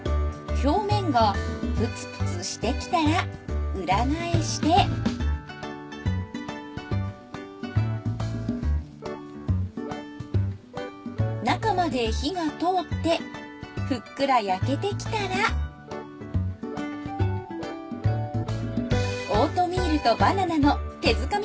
表面がプツプツしてきたら裏返して中まで火が通ってふっくら焼けてきたらオートミールとバナナの手づかみ